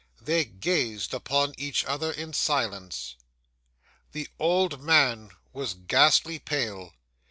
They gazed upon each other in silence. 'The old man was ghastly pale.